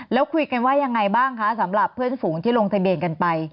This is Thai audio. แล้วคุยกันว่ายังไงบ้างคะสำหรับเพื่อนฝูงที่ลงทะเบียนกันไป